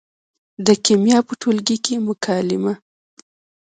د کیمیا په ټولګي کې مکالمه